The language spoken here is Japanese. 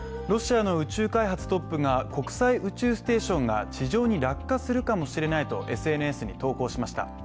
ロシアの宇宙開発トップが国際宇宙ステーションが地上に落下するかもしれないとＳＮＳに投稿しました。